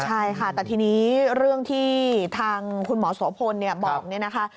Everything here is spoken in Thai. ใช่ค่ะแต่ทีนี้เรื่องที่ทางคุณหมอโสพลบอกเนี่ยนะคะ